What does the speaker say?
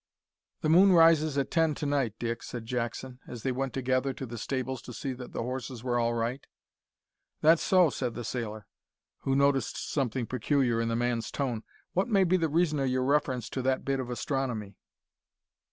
"The moon rises at ten to night, Dick," said Jackson, as they went together to the stables to see that the horses were all right. "That's so," said the sailor, who noticed something peculiar in the man's tone; "what may be the reason o' your reference to that bit of astronomy?"